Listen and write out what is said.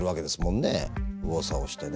右往左往してね。